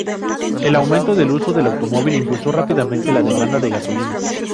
El aumento del uso del automóvil impulsó rápidamente la demanda de gasolina.